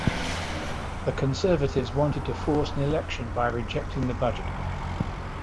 The Conservatives wanted to force an election by rejecting the budget.